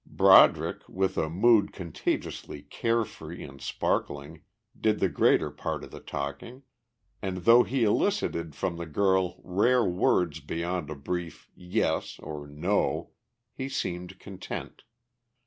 Broderick, with a mood contagiously care free and sparkling, did the greater part of the talking, and though he elicited from the girl rare words beyond a brief "yes" or "no," he seemed content.